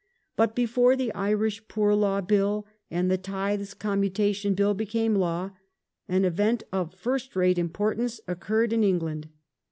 But before the Irish Poor Law Bill and the Tithes Commutation Bill became law, an event of } fii st rate importance occurred in England.